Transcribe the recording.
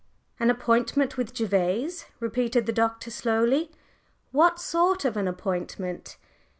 "An appointment with Gervase?" repeated the Doctor, slowly. "What sort of an appointment?"